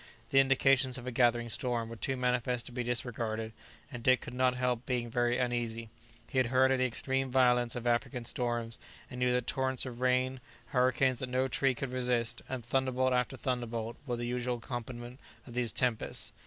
The indications of a gathering storm were too manifest to be disregarded, and Dick could not help being very uneasy. He had heard of the extreme violence of African storms, and knew that torrents of rain, hurricanes that no tree could resist, and thunderbolt after thunderbolt were the usual accompaniment of these tempests.